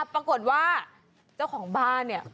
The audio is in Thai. ปรากฏว่าเจ้าของบ้านเนี่ย